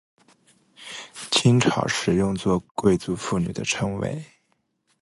清朝时用作贵族妇女的称谓。